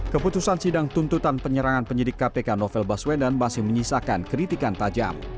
keputusan sidang tuntutan penyerangan penyidik kpk novel baswedan masih menyisakan kritikan tajam